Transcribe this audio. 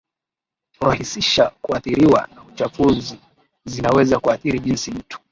hurahisisha kuathiriwa na uchafuzi zinaweza kuathiri jinsi mtu